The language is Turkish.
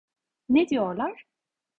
Ne diyorlar?